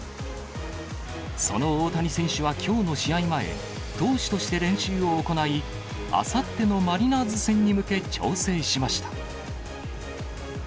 その大谷選手はきょうの試合前、投手として練習を行い、あさってのマリナーズ戦に向け、調整しました。